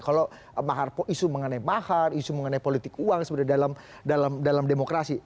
kalau isu mengenai mahar isu mengenai politik uang sebenarnya dalam demokrasi